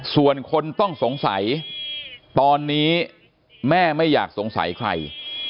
ส่วนคนต้องสงสัยตอนนี้แม่ไม่อยากสงสัยใคร